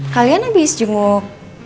kalian abis jenguk